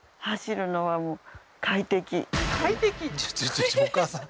ちょっとお母さん